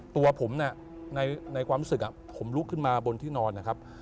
ตัวผมเนี่ยในความรู้สึกผมลุกขึ้นมาบนที่นอนนะครับ